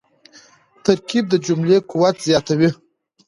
ترکیب د جملې قوت زیاتوي.